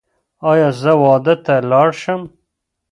ایا زه واده ته لاړ شم؟